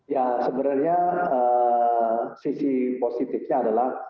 ya sebenarnya sisi positifnya adalah